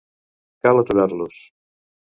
Cal aturar-los.